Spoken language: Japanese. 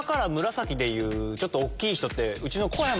紫でちょっと大きい人って。